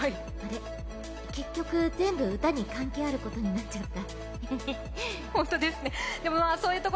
結局、歌に全部関係あることになっちゃった